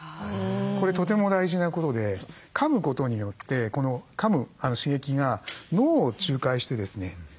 これとても大事なことでかむことによってこのかむ刺激が脳を仲介してですね